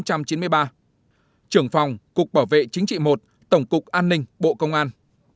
năm một nghìn chín trăm chín mươi đến tháng sáu năm một nghìn chín trăm chín mươi ba trưởng phòng cục bảo vệ chính trị i tổng cục an ninh bộ công an